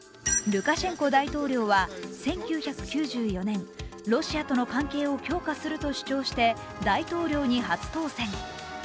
ルカシェンコ大統領は、１９９４年ロシアとの関係を強化すると主張して大統領に初当選。